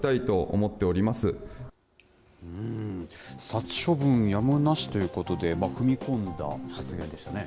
殺処分やむなしということで、踏み込んだ発言でしたね。